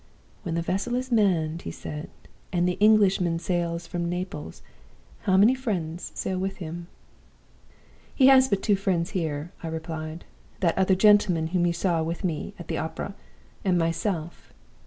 "'When the vessel is manned,' he said, 'and the Englishman sails from Naples, how many friends sail with him?' "'He has but two friends here,' I replied; 'that other gentleman whom you saw with me at the opera, and myself.